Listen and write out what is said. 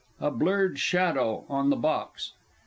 A BLURRED SHADOW ON THE BOX.